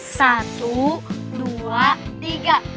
satu dua tiga